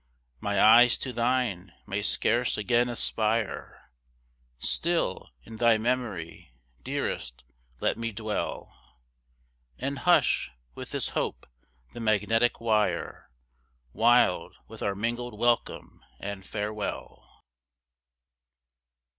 My eyes to thine may scarce again aspire Still in thy memory, dearest let me dwell, And hush, with this hope, the magnetic wire, Wild with our mingled welcome and farewell!